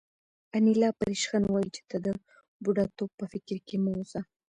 انیلا په ریشخند وویل چې ته د بوډاتوب په فکر کې مه اوسه